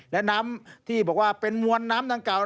และน้ำที่บอกว่าเป็นมวลน้ำดังกล่าว